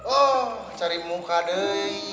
oh cari muka deh